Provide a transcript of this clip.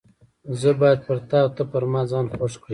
زه باید پر تا او ته پر ما ځان خوږ کړې.